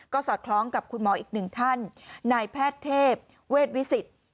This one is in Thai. สอดคล้องกับคุณหมออีกหนึ่งท่านนายแพทย์เทพเวชวิสิต